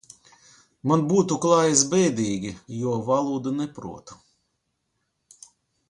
Man būtu klājies bēdīgi, jo valodu nepratu.